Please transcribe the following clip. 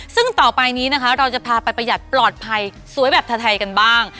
ซึ่งต่อไปนี้นะคะเราจะพาไปประหยัดปลอดภัยสวยแบบไทยกันบ้าง